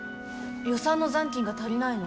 予算の残金が足りないの。